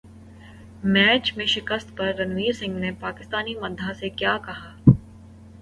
match میں شکست پر رنویر سنگھ نے پاکستانی مداح سے کیا کہا